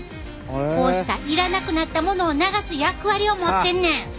こうしたいらなくなったものを流す役割を持ってんねん。